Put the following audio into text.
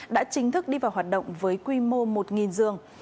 đã chính thức đi vào hoạt động với quy mô một giường